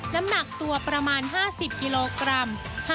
น้ำหนักตัวประมาณ๕๐กิโลกรัม